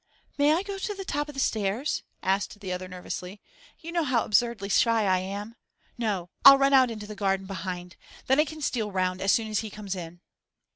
'May I go to the top of the stairs?' asked the other nervously. 'You know how absurdly shy I am. No, I'll run out into the garden behind; then I can steal round as soon as he comes in.